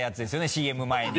ＣＭ前に。